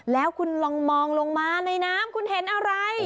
แล้วคุณลองมองลงมาในน้ำคุณเห็นอะไร